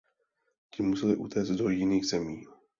Ti museli utéct do jiných zemí.